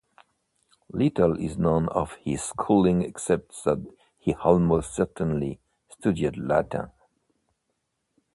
Little is known of his schooling except that he almost certainly studied Latin.